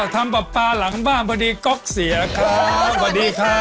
อ๋อทำปลาปลาหลังบ้านพอดีก็กเสียค่ะพอดีครับ